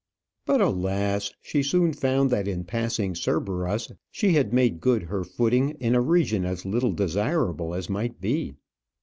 But, alas! she soon found that in passing Cerberus she had made good her footing in a region as little desirable as might be.